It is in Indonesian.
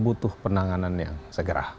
butuh penanganan yang segera